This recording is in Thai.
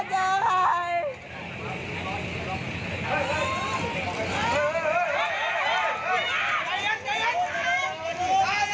ผู้ชมไปดีไหมัเอาไปดีว้าจบไว้